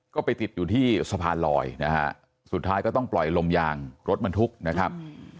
ก็ไปติดอยู่ที่สะพานลอยนะฮะสุดท้ายก็ต้องปล่อยลมยางรถบรรทุกนะครับ